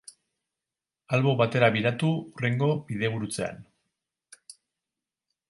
Albo batera biratu hurrengo bidegurutzean.